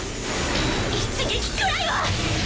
一撃くらいは！